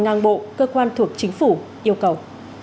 ngang bộ cơ quan thuộc chính phủ yêu cầu